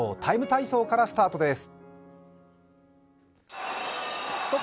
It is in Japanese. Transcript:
「ＴＩＭＥ，体操」からスタートです。